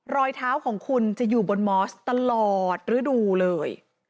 รอยเท้าของคุณจะอยู่บนมอสตลอดฤดูเลย